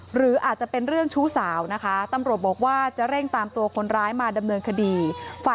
หรืออาจจะเป็นเรื่องชู้สาวนะคะ